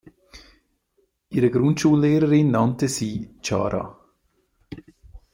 Ihre Grundschullehrerin nannte sie "Chara".